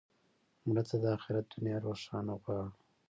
مړه ته د آخرت دنیا روښانه غواړو